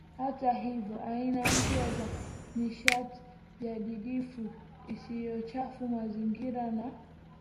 Hata hivyo aina mpya za nishati jadidifu isiyochafua mazingira na